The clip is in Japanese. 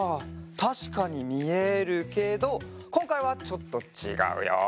たしかにみえるけどこんかいはちょっとちがうよ。